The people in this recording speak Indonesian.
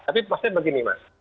tapi maksudnya begini mas